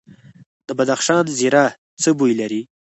د بدخشان زیره څه بوی لري؟